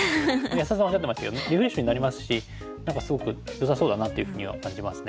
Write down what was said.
安田さんおっしゃってましたけどリフレッシュになりますし何かすごくよさそうだなっていうふうには感じますね。